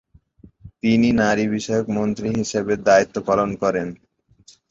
তিনি নারী বিষয়ক মন্ত্রী হিসেবে দায়িত্ব পালন করেন।